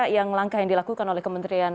yang langkah yang dilakukan oleh kementerian